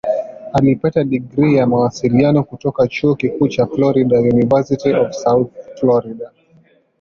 Alipata digrii ya Mawasiliano kutoka Chuo Kikuu cha Florida "University of South Florida".